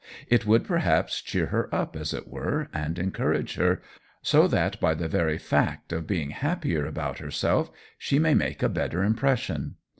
It would perhaps cheer her up, as it were, and encourage her, so that by the very fact of being happier about herself she may make a better impres sion.